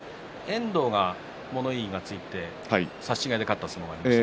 ああ、なるほど遠藤が物言いがついて差し違えで勝った相撲がありました。